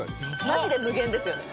マジで無限ですよね